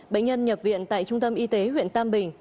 bệnh nhân nhập viện tại trung tâm y tế huyện tam bình